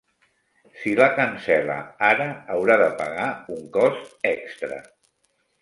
Si la cancel·la ara haurà de pagar un cost extra.